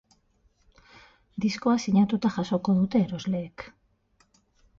Diskoa sinatuta jasoko dute erosleek.